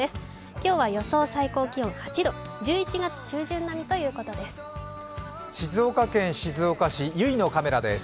今日は予想最高気温８度、１１月中旬並みということです。